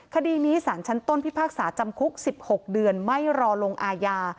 คดีนี้สารชั้นต้นพิพากษาจำคุก๑๖เดือนไม่รอลงอาญา